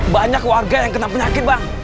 banyak warga yang kena penyakit bang